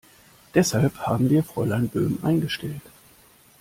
Deshalb haben wir Fräulein Böhm eingestellt.